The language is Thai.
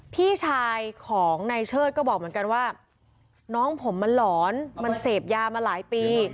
พี่ชายของนายเชิดก็บอกเหมือนกันว่าน้องผมมันหลอนมันเสพยามาหลายปี